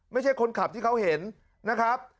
ไม่ใช่คนขับที่เขาเห็นนะครับ